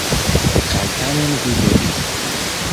Kaj tamen mi devis.